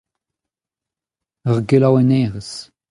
Ur gelaouennerez.